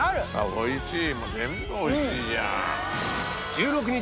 おいしい！